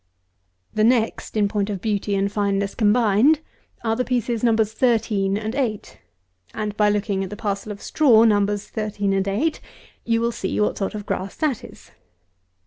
The next, in point of beauty and fineness combined, are the pieces Nos. 13 and 8; and by looking at the parcel of straw, Nos. 13 and 8, you will see what sort of grass that is.